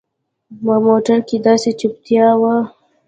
په موټر کښې داسې چوپتيا وه.